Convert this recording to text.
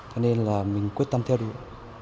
thế nên là mình quyết tâm theo đuổi